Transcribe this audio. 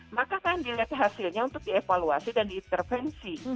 maka kan dilihat hasilnya untuk dievaluasi dan diintervensi